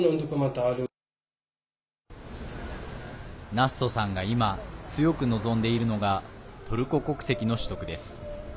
ナッソさんが、今強く望んでいるのがトルコ国籍の取得です。